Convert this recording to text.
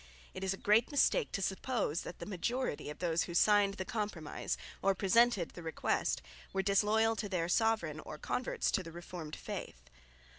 It is a great mistake to suppose that the majority of those who signed "the Compromise" or presented "the Request" were disloyal to their sovereign or converts to the reformed faith.